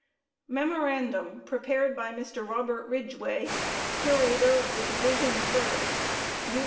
_Memorandum prepared by Mr. Robert Ridgway, Curator of the Division of Birds, U.